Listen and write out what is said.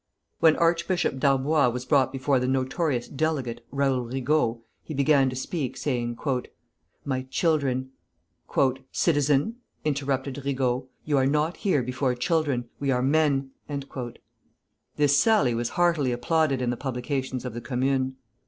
When Archbishop Darboy was brought before the notorious "delegate," Raoul Rigault, he began to speak, saying, "My children " "Citizen," interrupted Rigault, "you are not here before children, we are men!" This sally was heartily applauded in the publications of the Commune.